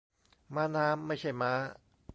ม้าน้ำ ไม่ใช่ม้า